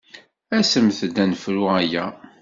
Asemt-d ad nefru aya!